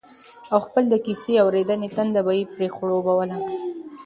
او خپل د کيسې اورېدنې تنده به يې پرې خړوبوله